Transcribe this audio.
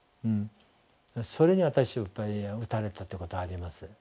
それに私やっぱり打たれたっていうことあります。